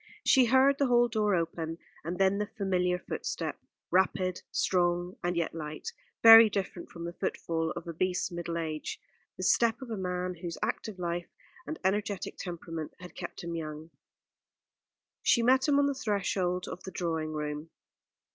She heard the hall door open, and then the familiar footstep, rapid, strong, and yet light, very different from the footfall of obese middle age; the step of a man whose active life and energetic temperament had kept him young. She met him on the threshold of the drawing room.